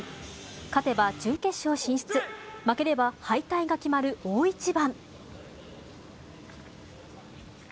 勝てば準決勝進出負ければ敗退が決まる大一番。